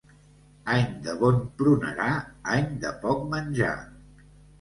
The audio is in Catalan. Any de bon prunerar, any de poc menjar.